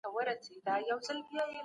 د ژوند چاپیریال باید پاک وساتل سي.